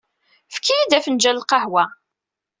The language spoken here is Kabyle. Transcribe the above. Efk-iyi-d afenǧal n lqahwa.